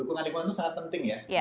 dukungan lingkungan itu sangat penting ya